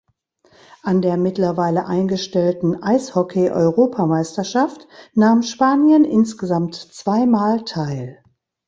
An der mittlerweile eingestellten Eishockey-Europameisterschaft nahm Spanien insgesamt zwei Mal teil.